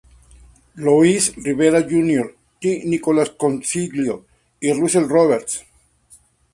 Louis Rivera Jr., Ty Nicolas Consiglio, y Russell Roberts.